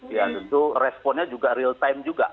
ya tentu responnya juga real time juga